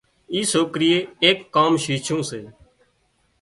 اي سوڪريئي ايڪ ڪام شيڇُون سي